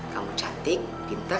kamu cantik pinter